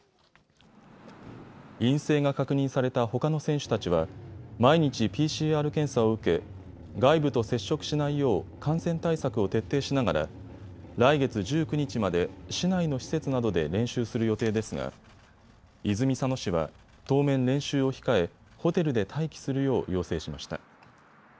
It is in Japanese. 陰性が確認されたほかの選手たちは毎日、ＰＣＲ検査を受け外部と接触しないよう感染対策を徹底しながら来月１９日まで市内の施設などで練習する予定ですが泉佐野市は当面、練習を控え、ホテルで待機するよう要請しました。